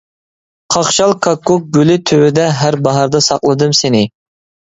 قاقشال كاككۇك گۈلى تۈۋىدە ھەر باھاردا ساقلىدىم سېنى.